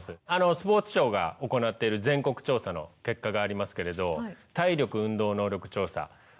スポーツ庁が行っている全国調査の結果がありますけれど体力運動能力調査。